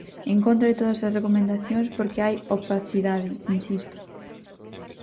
En contra de todas as recomendacións porque hai opacidade, insisto.